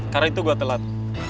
karena itu gue telat